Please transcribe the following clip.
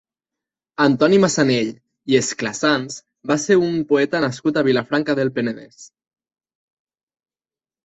Antoni Massanell i Esclassans va ser un poeta nascut a Vilafranca del Penedès.